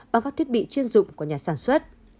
bằng các thiết bị chuyên dụng của nhà sản xuất